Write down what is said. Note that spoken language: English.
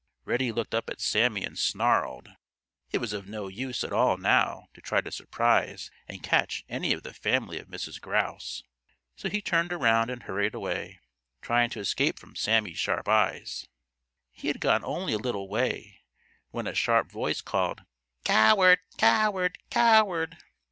Reddy looked up at Sammy and snarled. It was of no use at all now to try to surprise and catch any of the family of Mrs. Grouse, so he turned around and hurried away, trying to escape from Sammy's sharp eyes. He had gone only a little way when a sharp voice called: "Coward! Coward! Coward!"